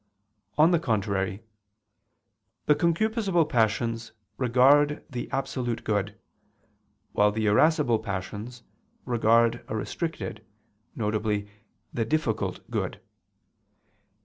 On the contrary, The concupiscible passions regard the absolute good, while the irascible passions regard a restricted, viz. the difficult, good.